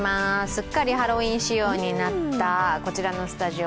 すっかりハロウィーン仕様になったこちらのスタジオ。